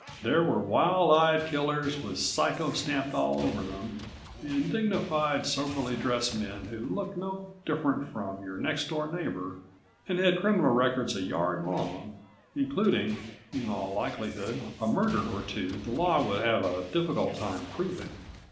There were wild eyed killers with "psycho" stamped all over them, and dignified, soberly dressed men who looked no different from your next door neighbor and had criminal records a yard long, including, in all likelihood, a murder or two the Law would have a difficult time proving.